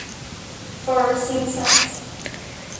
Four Seasons.